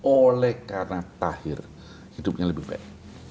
oleh karena tahir hidupnya lebih baik